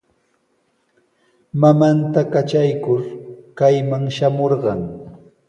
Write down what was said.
Mamanta katraykur kayman shamurqan.